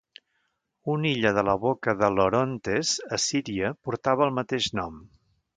Una illa de la boca de l'Orontes, a Síria, portava el mateix nom.